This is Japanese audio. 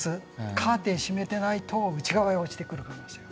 カーテン閉めてないと内側へ落ちてくる可能性がある。